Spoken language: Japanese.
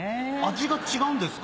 味が違うんですか？